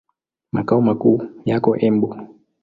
Makao makuu yako Embu.